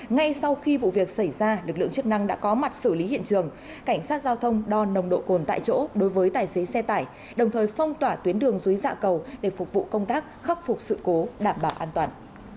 ngay sau khi vụ việc xảy ra lực lượng chức năng đã có mặt xử lý hiện trường cảnh sát giao thông đo nồng độ cồn tại chỗ đối với tài xế xe tải đồng thời phong tỏa tuyến đường dưới dạ cầu để phục vụ công tác khắc phục sự cố đảm bảo an toàn